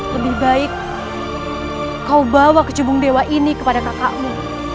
lebih baik kau bawa ke jubung dewa ini kepada kakakmu